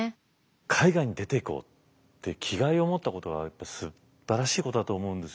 海外に出ていこうって気概を持ったことはすばらしいことだと思うんですよ。